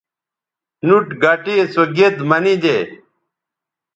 نُوٹ گٹے سو گید منیدے